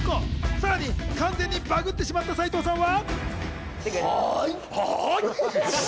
さらに完全にバグってしまった斉藤さんは。